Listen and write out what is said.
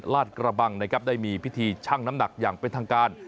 ลาดกระบังนะครับได้มีพิธีชั่งน้ำหนักอย่างเป็นทางการ